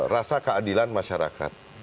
rasa keadilan masyarakat